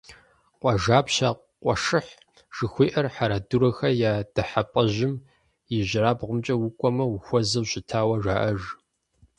«Къуажапщэ къуэшыхь» жыхуиӀэр «Хьэрэдурэхэ я дыхьэпӀэжьым» и ижьырабгъумкӀэ укӀуэмэ, ухуэзэу щытауэ жаӀэж.